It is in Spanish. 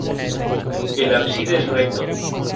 El ábside es recto.